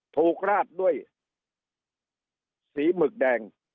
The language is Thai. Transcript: ราดด้วยสีหมึกแดง